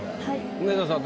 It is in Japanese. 梅沢さん